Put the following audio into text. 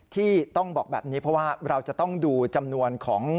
ที่ต้องบอกแบบนี้เพราะว่าเราจะต้องดูจำนวนของ